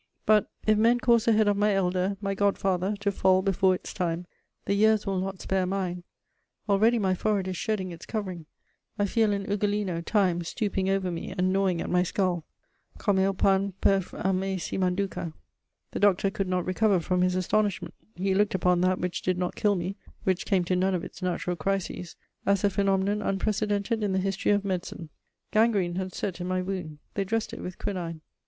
But, if men caused the head of my elder, my god father, to fall before its time, the years will not spare mine; already my forehead is shedding its covering; I feel an Ugolino, Time, stooping over me and gnawing at my skull: ... come'l pan perf ame si manduca. The doctor could not recover from his astonishment: he looked upon that which did not kill me, which came to none of its natural crises, as a phenomenon unprecedented in the history of medicine. Gangrene had set in in my wound; they dressed it with quinine.